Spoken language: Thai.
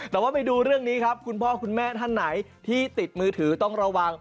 แต่ว่าไปดูเรื่องนี้ครับคุณพ่อคุณแม่ท่านไหนที่ติดมือถือต้องระวัง